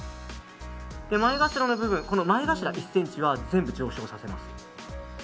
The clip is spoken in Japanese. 眉頭の部分１ｃｍは全部上昇させます。